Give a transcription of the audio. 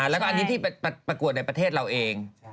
แล้วก็อันนี้ที่ประกวดในประเทศเราเอง